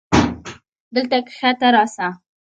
دلته کښته راسه.